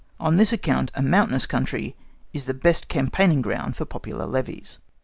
On this account, a mountainous country is the best campaigning ground for popular levies.